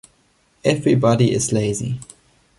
Everybody is lazy!